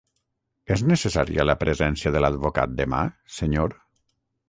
És necessària la presència de l'advocat demà, senyor?